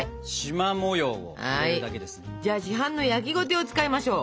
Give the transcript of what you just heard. じゃあ市販の焼ゴテを使いましょう。